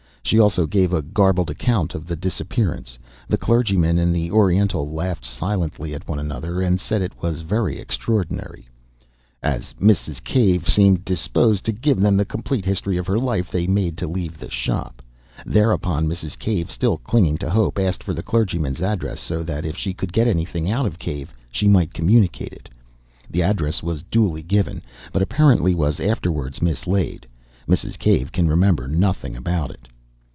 She also gave a garbled account of the disappearance. The clergyman and the Oriental laughed silently at one another, and said it was very extraordinary. As Mrs. Cave seemed disposed to give them the complete history of her life they made to leave the shop. Thereupon Mrs. Cave, still clinging to hope, asked for the clergyman's address, so that, if she could get anything out of Cave, she might communicate it. The address was duly given, but apparently was afterwards mislaid. Mrs. Cave can remember nothing about it.